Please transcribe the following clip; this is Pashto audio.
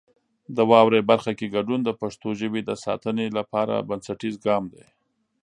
د واورئ برخه کې ګډون د پښتو ژبې د ساتنې لپاره بنسټیز ګام دی.